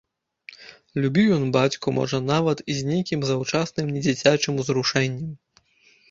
Любіў ён бацьку можа нават і з нейкім заўчасным недзіцячым узрушэннем.